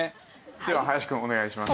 では林くんお願いします。